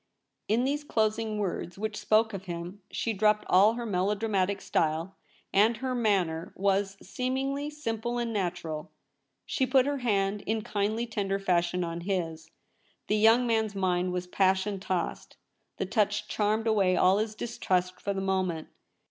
In these closing words, which spoke of him, she dropped all her melodramatic style, and her LITER A SCRIPT A. 241 manner was, seemingly, simple and natural. She put her hand in kindly, tender fashion on his. The young man's mind was passion tossed ; the touch charmed away all his dis trust — for the moment.